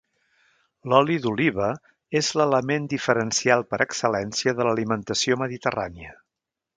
L'oli d'oliva és l'element diferencial per excel·lència de l'alimentació mediterrània.